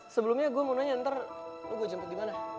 sebelumnya gue mau nanya ntar lo gue jemput dimana